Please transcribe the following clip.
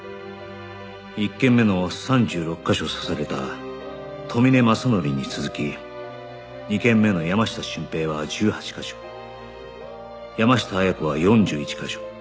１件目の３６カ所刺された富峰正紀に続き２件目の山下俊平は１８カ所山下綾子は４１カ所